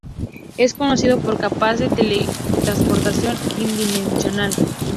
Es conocido por ser capaz de teletransportación interdimensional.